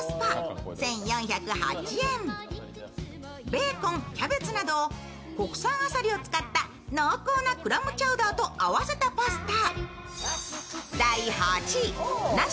ベーコン、キャベツなど国産野菜を使った濃厚なクラムチャウダーと合わせたパスタ。